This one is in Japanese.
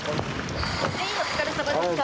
はい、お疲れさまでした。